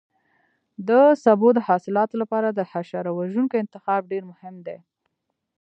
د سبو د حاصلاتو لپاره د حشره وژونکو انتخاب ډېر مهم دی.